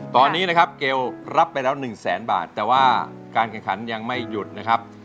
ตอนนี้นะครับเกลรับไปแล้ว๑แสนบาทแต่ว่าการแข่งขันยังไม่หยุดนะครับ